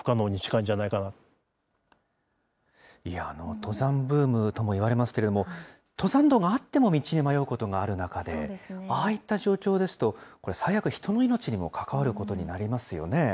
登山ブームともいわれますけれども、登山道があっても道に迷うことがある中で、ああいった状況ですと、これ、最悪、人の命にも関わることになりますよね。